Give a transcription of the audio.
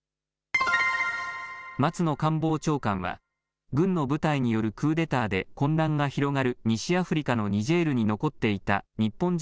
松野官房長官は軍の部隊によるクーデターで混乱が広がる西アフリカのニジェールに残っていた日本人